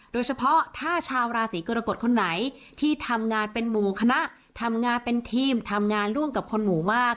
โดยเฉพาะถ้าชาวราศีกรกฎคนไหนที่ทำงานเป็นหมู่คณะทำงานเป็นทีมทำงานร่วมกับคนหมู่มาก